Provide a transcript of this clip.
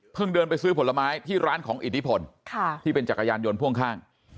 เดินไปซื้อผลไม้ที่ร้านของอิทธิพลที่เป็นจักรยานยนต์พ่วงข้าง